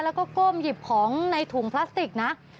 แล้วก็ก้มหยิบของในถุงพลาสติกนะ